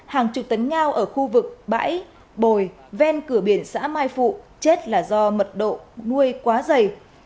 hàng chục tấn ngao ở khu vực bãi bồi ven cửa biển xã mai phụ chết là do mật độ nuôi quá dày